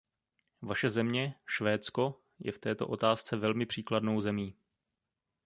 Vaše země, Švédsko, je v této otázce velmi příkladnou zemí.